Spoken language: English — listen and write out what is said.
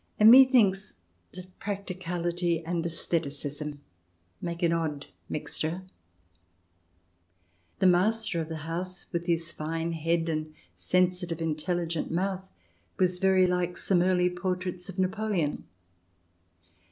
And methinks that practicality and aestheticism make an odd mixture. The master of the house, with his fine head and sensitive, intelligent mouth, was very like some early portraits of Napoleon.